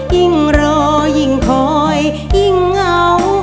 ยิ่งรอยิ่งคอยยิ่งเหงา